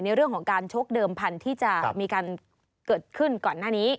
เรื่องของการชกเดิมพันธุ์ที่จะมีการเกิดขึ้นก่อนหน้านี้